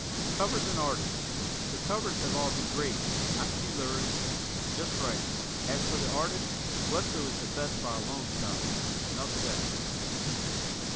Covers and artists: The covers have all been great. Not too lurid. Just right. As for the artists, Wesso is the best by a long shot. Nuff said.